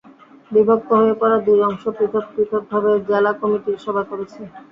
বিভক্ত হয়ে পড়া দুই অংশ পৃথক পৃথকভাবে জেলা কমিটির সভা করেছে।